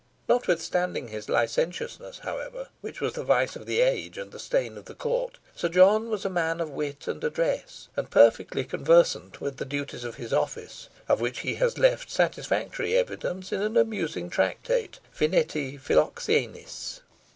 Notwithstanding his licentiousness, however, which was the vice of the age and the stain of the court, Sir John was a man of wit and address, and perfectly conversant with the duties of his office, of which he has left satisfactory evidence in an amusing tractate, "Finetti Philoxenis."